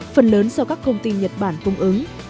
phần lớn do các công ty nhật bản cung ứng